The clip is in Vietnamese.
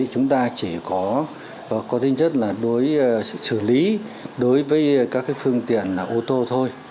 chúng ta chỉ có có tinh chất là đối xử lý đối với các phương tiện ô tô thôi